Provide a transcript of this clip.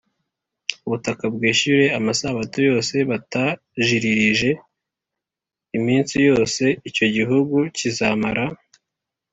ubutaka bwishyure amasabato yose butajiririje Iminsi yose icyo gihugu kizamara